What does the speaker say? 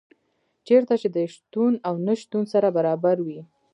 چېرته چي دي شتون او نه شتون سره برابر وي